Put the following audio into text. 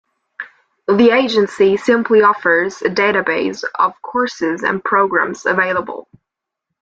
The agency simply offers a database of courses and programmes available.